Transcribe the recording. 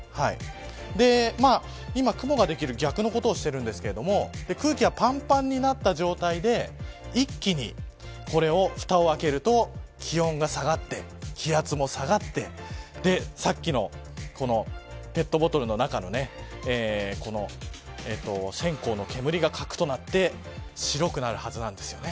今雲ができる逆のことをしているんですが空気がパンパンになった状態で一気にふたを開けると気温が下がって、気圧も下がってさっきのペットボトルの中の線香の煙が核となって白くなるはずなんです。